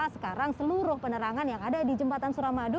sekarang seluruh penerangan yang ada di jembatan suramadu